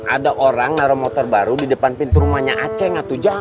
ada orang naro motor baru di depan pintu rumahnya aceh nggak tuh jam